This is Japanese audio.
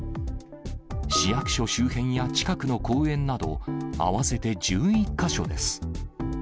市役所周辺や近くの公園など、合わせて１１か所です。